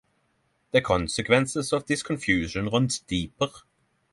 The consequence of this confusion runs deeper.